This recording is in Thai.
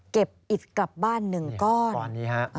เก็บอิตกลับบ้านหนึ่งก้อน